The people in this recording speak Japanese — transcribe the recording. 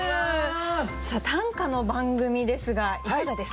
さあ短歌の番組ですがいかがですか？